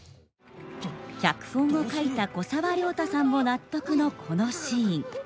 脚本を書いた古沢良太さんも納得のこのシーン。